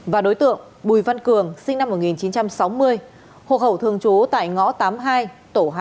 và đối tượng bùi văn cường sinh năm một nghìn chín trăm sáu mươi hộ khẩu thường trú tại ngõ tám mươi hai tổ hai